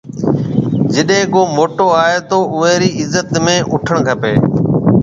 جيڏيَ ڪو موٽو آئي تو اوئي رِي عزت ۾ اُوٺڻ کپيَ۔